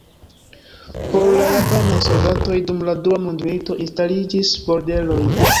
Por la japanaj soldatoj dum la dua mondmilito instaliĝis bordeloj.